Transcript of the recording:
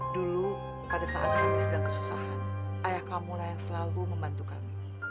dulu pada saat kami sedang kesusahan ayah kamu lah yang selalu membantu kami